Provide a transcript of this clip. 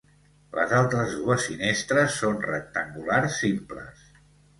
Les altres dues finestres són rectangulars simples.